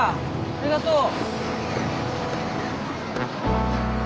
ありがとう。